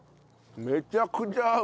めちゃくちゃ合う。